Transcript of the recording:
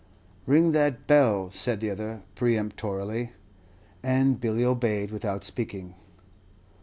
"Ring that bell," said the other, peremptorily. And Billy obeyed without speaking.